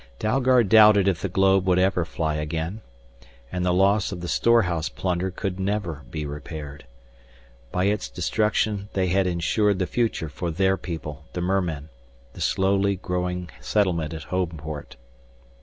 Dalgard doubted if the globe would ever fly again. And the loss of the storehouse plunder could never be repaired. By its destruction they had insured the future for their people, the mermen, the slowly growing settlement at Homeport.